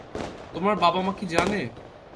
তোর বাবা-মা কি জানে?